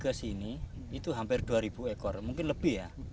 ke sini itu hampir dua ribu ekor mungkin lebih ya